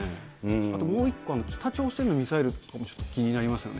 あともう１個、北朝鮮のミサイルもちょっと気になりますよね。